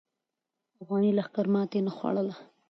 افغاني لښکر ماتې نه خوړله.